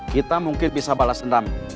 kita mungkin bisa balas dendam